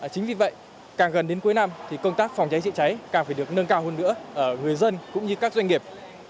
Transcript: chính vì vậy càng gần đến cuối năm thì công tác phòng cháy chữa cháy càng phải được nâng cao hơn nữa ở người dân cũng như các doanh nghiệp